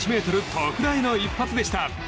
特大の一発でした。